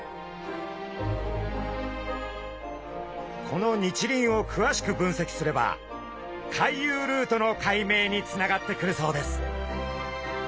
この日輪をくわしく分析すれば回遊ルートの解明につながってくるそうです。